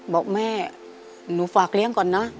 บอกแม่หนูฝากเลี้ยงก่อนนะ